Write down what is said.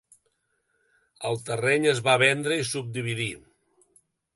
El terreny es va vendre i subdividir.